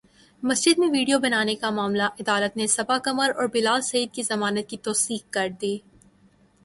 مسجد میں ویڈیو بنانے کا معاملہ عدالت نے صبا قمر اور بلال سعید کی ضمانت کی توثیق کردی